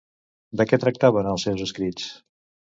De què tractaven els seus escrits?